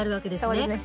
そうですね。